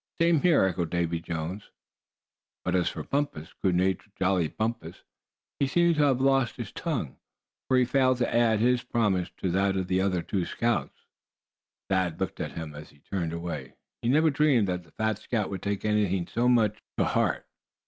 "Same here," echoed Davy Jones. But as for Bumpus, good natured, jolly Bumpus, he seemed to have lost his tongue, for he failed to add his promise to that of the other two scouts. Thad looked at him as he turned away. He had never dreamed that the fat scout would take anything so much to heart.